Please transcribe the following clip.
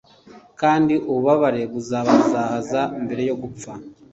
kandi ububabare buzabazahaza mbere yo gupfa